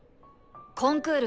コンクール